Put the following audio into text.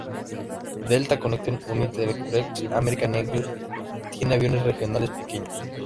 Delta Connection, United Express y American Eagle tienen aviones regionales pequeños.